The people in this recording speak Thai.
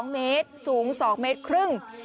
๒เมตรสูง๒เมตรครึ่ง